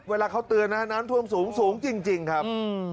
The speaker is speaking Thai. เวลาเขาเตือนนะน้ำท่วมสูงจริงครับ